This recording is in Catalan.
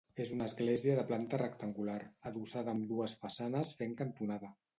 És una església de planta rectangular adossada amb dues façanes fent cantonada.